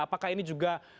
apakah ini juga